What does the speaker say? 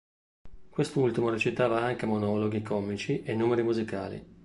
Quest'ultimo recitava anche monologhi comici e numeri musicali.